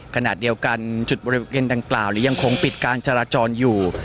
ขนาดเดียวกันจุดบริเวณต่างยังคงปิดการจราจรอยู่